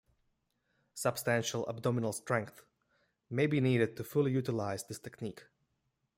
Substantial abdominal strength may be needed to fully utilize this technique.